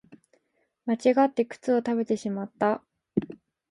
間違って靴を食べてしまった